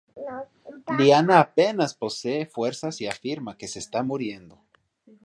Lyanna apenas posee fuerzas y afirma que se está muriendo.